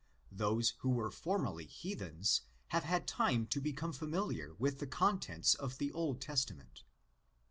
Those who were formerly heathens have had time to become familiar with the contents of the Old Testament.